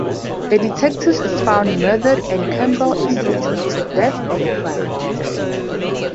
The detective is found murdered and Campbell is sentenced to death for the crime.